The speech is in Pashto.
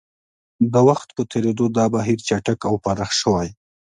د وخت په تېرېدو دا بهیر چټک او پراخ شوی.